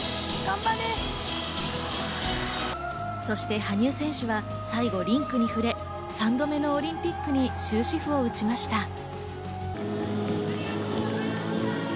そして、羽生選手は最後、リンクに触れ、３度目のオリンピックに終止符を打ちました。